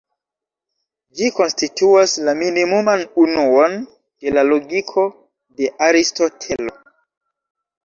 Ĝi konstituas la minimuman unuon de la logiko de Aristotelo.